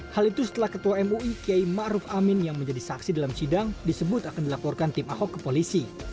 hal itu setelah ketua mui kiai ⁇ maruf ⁇ amin yang menjadi saksi dalam sidang disebut akan dilaporkan tim ahok ke polisi